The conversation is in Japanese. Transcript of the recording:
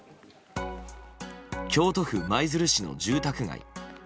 京都府舞鶴市の住宅街。